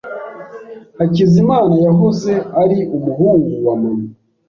Hakizimana yahoze ari umuhungu wa mama.